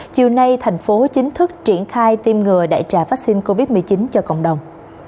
chiều nay thành phố chính thức triển khai tiêm ngừa đại trà vaccine covid một mươi chín cho cộng đồng